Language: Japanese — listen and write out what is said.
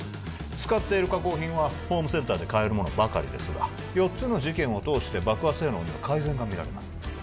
使っている火工品はホームセンターで買えるものばかりですが４つの事件を通して爆破性能には改善が見られます